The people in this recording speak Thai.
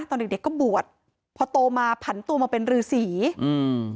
ตอนเด็กเด็กก็บวชพอโตมาผันตัวมาเป็นรือสีอืม